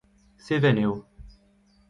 Seven eo.